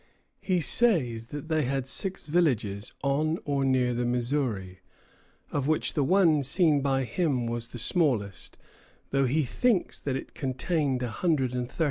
He says that they had six villages on or near the Missouri, of which the one seen by him was the smallest, though he thinks that it contained a hundred and thirty houses.